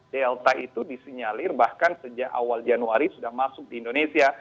delta itu disinyalir bahkan sejak awal januari sudah masuk di indonesia